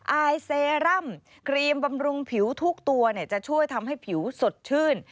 อายเซรั่มครีมบำรุงผิวทุกตัวจะช่วยทำให้ผิวสดชื่น